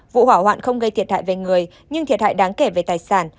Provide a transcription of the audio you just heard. vụ hỏa hoạn không gây thiệt hại về người nhưng thiệt hại đáng kể về tài sản